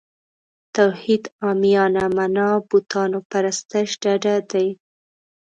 توحید عامیانه معنا بوتانو پرستش ډډه دی.